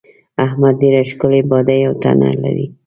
احمد ډېره ښکلې باډۍ او تنه لري.